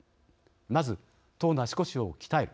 まず党の足腰を鍛える。